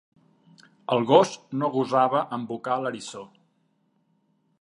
El gos no gosava embocar l'eriçó.